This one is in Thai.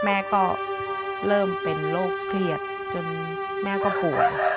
แม่ก็เริ่มเป็นโรคเครียดจนแม่ก็ป่วย